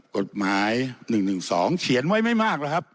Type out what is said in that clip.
กฎหมาย๑๑๒เขียนไว้ไม่มากแล้วครับ